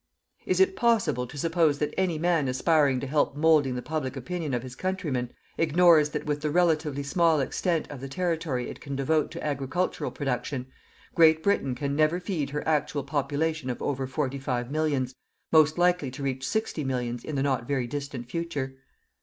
Is it possible to suppose that any man aspiring to help moulding the public opinion of his countrymen, ignores that with the relatively small extent of the territory it can devote to agricultural production, Great Britain can never feed her actual population of over forty five millions, most likely to reach sixty millions in the not very distant future.